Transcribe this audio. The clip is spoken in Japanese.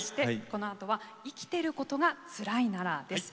このあとは「生きてることが辛いなら」です。